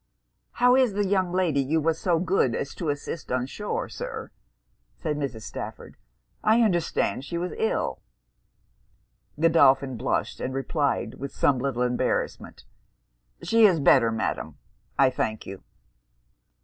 'How is the young lady you was so good as to assist on shore, Sir?' said Mrs. Stafford. 'I understand she was ill.' Godolphin blushed; and replied, with some little embarrassment, 'she is better, Madam, I thank you.'